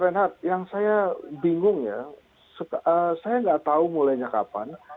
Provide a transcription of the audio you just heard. mas renhardt yang saya bingung ya saya tidak tahu mulainya kapan